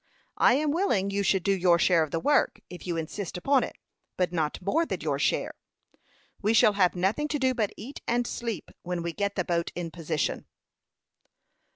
I am willing you should do your share of the work, if you insist upon it, but not more than your share. We shall have nothing to do but eat and sleep when we get the boat in position."